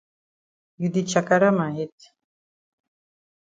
You di chakara ma head.